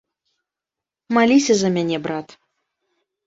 Маліся за мяне, брат.